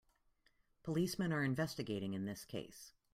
Policemen are investigating in this case.